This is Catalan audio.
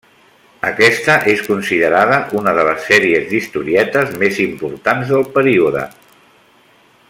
Aquesta és considerada una de les sèries d'historietes més importants del període.